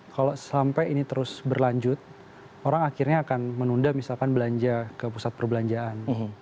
kalau sampai ini terus berlanjut orang akhirnya akan menunda misalkan belanja ke pusat perbelanjaan